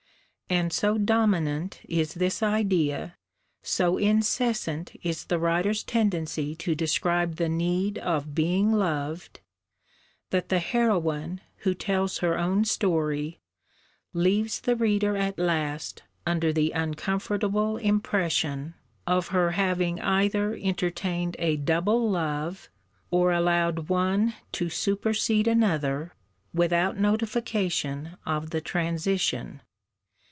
And so dominant is this idea, so incessant is the writer's tendency to describe the need of being loved, that the heroine, who tells her own story, leaves the reader at last under the uncomfortable impression of her having either entertained a double love, or allowed one to supersede another, without notification of the transition.